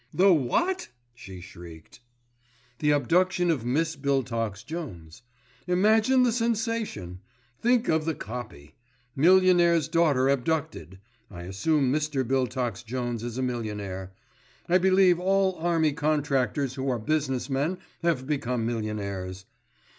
"The what?" she shrieked. "The abduction of Miss Biltox Jones. Imagine the sensation! Think of the 'copy'! Millionaire's daughter abducted—I assume Mr. Biltox Jones is a millionaire. I believe all Army contractors who are business men have become millionaires.